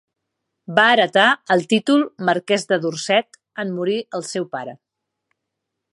Va heretar el títol Marquès de Dorset en morir el seu pare.